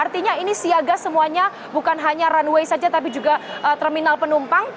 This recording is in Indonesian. artinya ini siaga semuanya bukan hanya runway saja tapi juga terminal penumpang